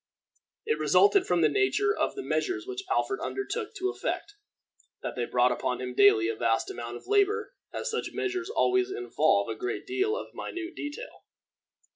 It resulted from the nature of the measures which Alfred undertook to effect, that they brought upon him daily a vast amount of labor as such measures always involve a great deal of minute detail.